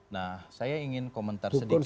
nah saya ingin komentar sedikit